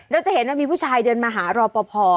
จะเห็นว่ามีผู้ชายเดินมาหารอปภ